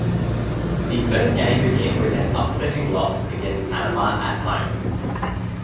The first game began with an upsetting loss against Panama at home.